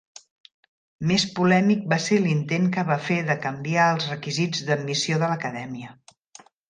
Més polèmic va ser l'intent que va fer de canviar els requisits d'admissió de l'Acadèmia.